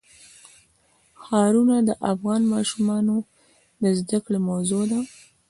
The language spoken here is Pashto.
ښارونه د افغان ماشومانو د زده کړې موضوع ده.